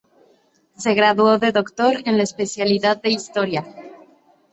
Se graduó de doctor en la especialidad de historia.